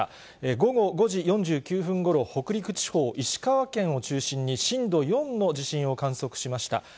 午後５時４９分ごろ、北陸地方、石川県を中心に、震度４の地震を観測しました。